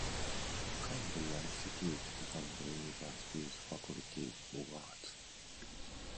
Cumbria Institute became the University's Faculty of Arts.